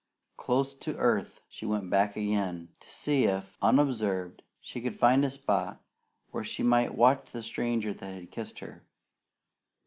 Close to earth, she went back again, to see if, unobserved, she could find a spot where she might watch the stranger that had kissed her.